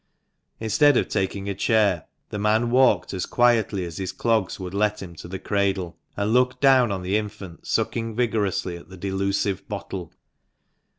Instead of taking a chair, the man walked as quietly as his clogs would let him to the cradle, and looked down on the infant sucking vigorously at the delusive bottle.